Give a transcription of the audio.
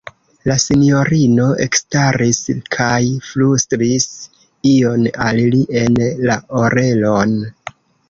La sinjorino ekstaris kaj flustris ion al li en la orelon.